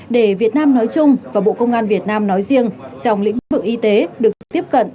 để việt nam nói chung và bộ công an việt nam nói riêng trong lĩnh vực y tế được tiếp cận